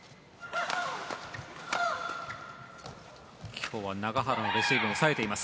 今日は永原のレシーブもさえています。